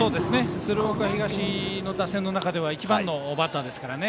鶴岡東の打線の中では一番のバッターですからね。